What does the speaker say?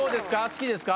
好きですか？